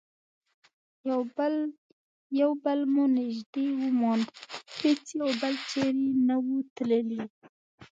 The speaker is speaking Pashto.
یو بل مو نژدې وموند، هیڅ یو بل چیري نه وو تللي.